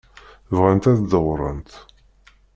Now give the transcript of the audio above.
Bɣant ad dewwṛent.